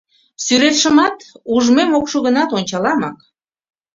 — Сӱретшымат ужмем ок шу гынат, ончаламак!